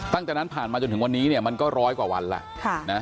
ตั้งแต่นั้นผ่านมาจนถึงวันนี้เนี่ยมันก็ร้อยกว่าวันแล้ว